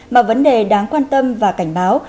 mà vấn đề đáng quan tâm và cảnh báo